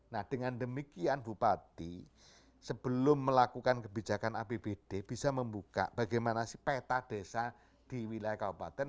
nah dengan demikian bupati sebelum melakukan kebijakan apbd bisa membuka bagaimana sih peta desa di wilayah kabupaten